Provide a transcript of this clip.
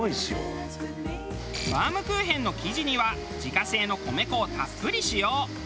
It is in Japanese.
バウムクーヘンの生地には自家製の米粉をたっぷり使用。